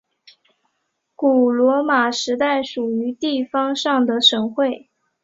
古罗马时代属于地方上的省会。